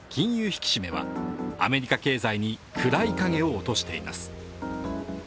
引き締めはアメリカ経済に暗い影を落としています。